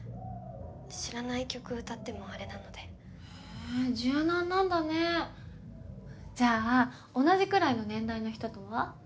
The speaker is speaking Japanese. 知らない曲歌ってもあれなのでへぇ柔軟なんだねぇじゃあ同じくらいの年代の人とは？